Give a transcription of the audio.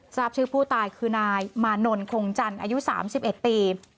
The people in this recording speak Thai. ทราบชื่อผู้ตายคือนายมานนโคงจันทร์อายุสามสิบเอ็ดปี